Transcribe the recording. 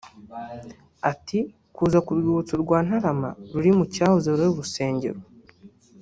Ati “Kuza ku rwibutso rwa Ntarama ruri mu cyahoze ari urusengero